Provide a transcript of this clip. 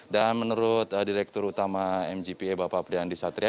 dan menurut direktur utama mgpa bapak priyandi satria